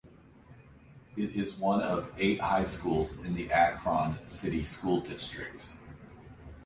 It is one of eight high schools in the Akron City School District.